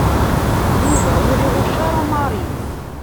Yuba ur iɣucc ara Mary.